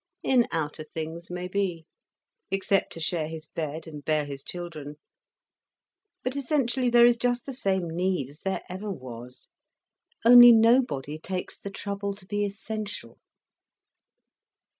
"In outer things, maybe—except to share his bed and bear his children. But essentially, there is just the same need as there ever was. Only nobody takes the trouble to be essential."